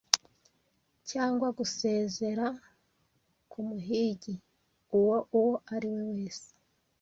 Cyangwa gusezera k'umuhigi uwo uwo ariwe wese